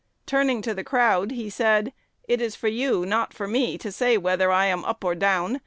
Turning then to the crowd, he said, 'It is for you, not for me, to say whether I am up or down.